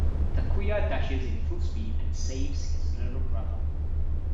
Takuya dashes in full speed and saves his little brother.